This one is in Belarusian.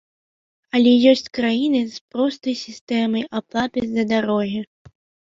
Але ёсць краіны з простай сістэмай аплаты за дарогі.